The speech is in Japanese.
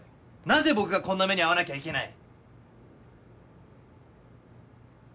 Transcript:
なぜ僕がこんな目に遭わなきゃいけない。